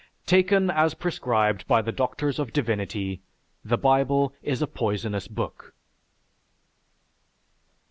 Taken as prescribed by the doctors of divinity, the Bible is a poisonous book.